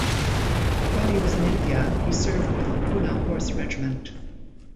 While he was in India he served with the Poona Horse regiment.